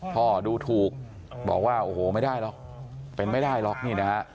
พ่อดูถูกบอกว่าโอ้โหไม่ได้หรอกเป็นไม่ได้หรอกนี่นะฮะ